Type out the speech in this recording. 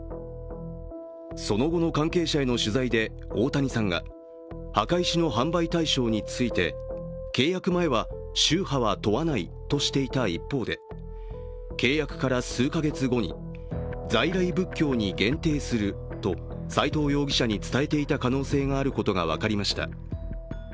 その後の関係者への取材で大谷さんが墓石の販売対象について契約前は宗派は問わないとしていた一方で、契約から数か月後に在来仏教に限定すると斉藤容疑者に伝えていた可能性があることが分かりました。